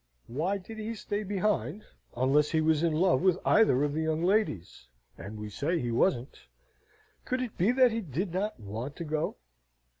Why did he stay behind, unless he was in love with either of the young ladies (and we say he wasn't)? Could it be that he did not want to go?